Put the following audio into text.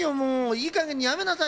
いいかげんにやめなさいよ。